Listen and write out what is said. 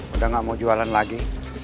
udah gak mau jualan lagi